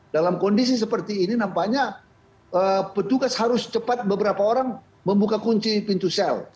dalam kondisi seperti ini nampaknya petugas harus cepat beberapa orang membuka kunci pintu sel